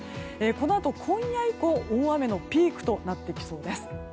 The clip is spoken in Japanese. このあと今夜以降大雨のピークとなっていきそうです。